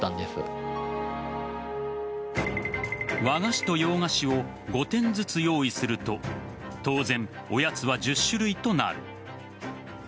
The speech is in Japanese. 和菓子と洋菓子を５点ずつ用意すると当然、おやつは１０種類となる。